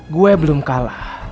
gue belum kalah